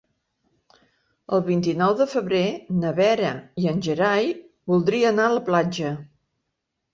El vint-i-nou de febrer na Vera i en Gerai voldria anar a la platja.